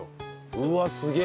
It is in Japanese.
うわすげえ。